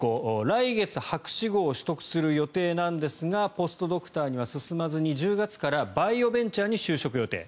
来月、博士号を取得する予定なんですがポストドクターには進まずに１０月からバイオベンチャーに就職予定。